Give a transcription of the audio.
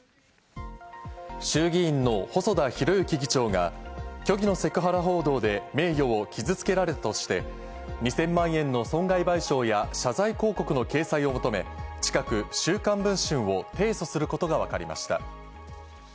衆議院の細田博之議長が虚偽のセクハラ報道で名誉を傷つけられたとして、２０００万円の損害賠償や謝罪広告の掲載を求め、近く『週刊文春』を提訴することがわかりました。